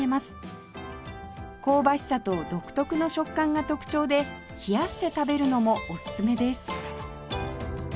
香ばしさと独特の食感が特徴で冷やして食べるのもおすすめです